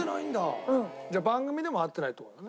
じゃあ番組でも会ってないって事ね？